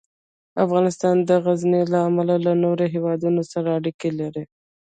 افغانستان د غزني له امله له نورو هېوادونو سره اړیکې لري.